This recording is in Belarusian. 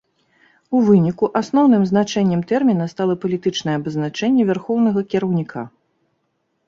У выніку, асноўным значэннем тэрміна стала палітычнае абазначэнне вярхоўнага кіраўніка.